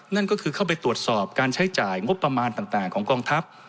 นั่นก็คือเข้าไปตรวจสอบการใช้จ่ายงบประมาณต่างของกองทัพ